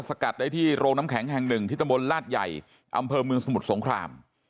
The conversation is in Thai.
กัดได้ที่โรงน้ำแข็งแห่งหนึ่งที่ตะบนลาดใหญ่อำเภอเมืองสมุทรสงคราม